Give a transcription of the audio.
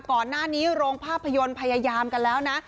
ก่อนหน้านี้โรงภาพยนตร์พยายามกันแล้วนะ